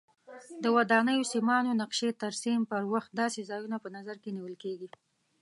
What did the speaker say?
د ودانیو سیمانو نقشې ترسیم پر وخت داسې ځایونه په نظر کې نیول کېږي.